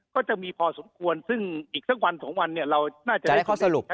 ก็จะมีพอสมควรซึ่งอีกสักวันสองวันเนี่ยเราน่าจะได้ข้อสรุปนะ